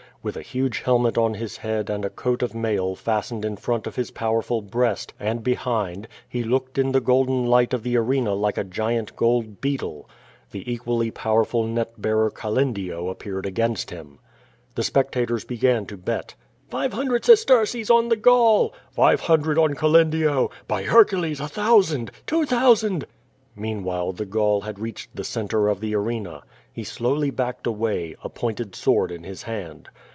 With ik huge helmet on his head and a coat of mail fastened in front ^n of iiis powerful breast, and behind, he looked in the golden 1 light of the arena like a giant gold beetle. The equally pow ' erful net bearer Calcndio appeared against him. The spectators began to bet. "Five hundred sesterces on the Gaul." "Five hundred on Calendio!" "By Hercules, a thousand!" "Two thousand." Meanwhile the Gaul had reached the centre of the arena. He slowly backed away, a pointed sword in his hand.